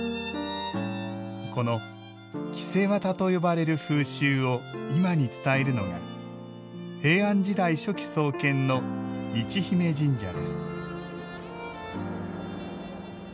この被綿と呼ばれる風習を今に伝えるのが平安時代初期創建の市比賣神社です。